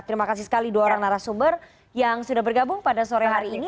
terima kasih sekali dua orang narasumber yang sudah bergabung pada sore hari ini